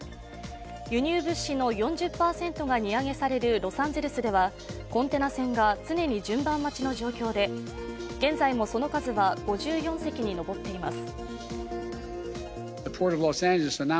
輸入物資の４０％が荷揚げされるロサンゼルスではコンテナ船が常に順番待ちの状況で現在も、その数は５４隻に上っています。